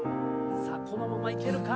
このままいけるか？